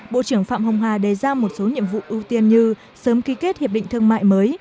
bộ trưởng phạm hồng hà đề ra một số nhiệm vụ ưu tiên như sớm ký kết hiệp định thương mại mới